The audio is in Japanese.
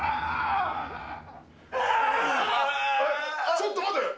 ちょっと待て！